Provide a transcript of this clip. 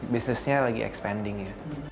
bisnisnya lagi expanding ya